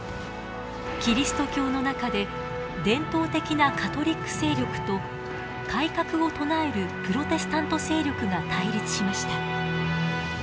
キリスト教の中で伝統的なカトリック勢力と改革を唱えるプロテスタント勢力が対立しました。